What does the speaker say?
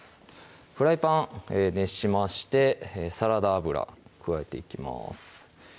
フライパン熱しましてサラダ油加えていきます